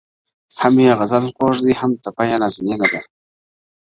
هم یې غزل خوږ دی هم ټپه یې نازنینه ده,